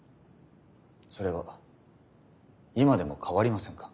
それは今でも変わりませんか？